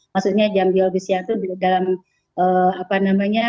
maksudnya jam biologi siang itu dalam apa namanya